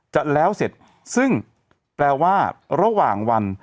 จะแล้วเสร็จซึ่งแปลว่าระหว่างวัน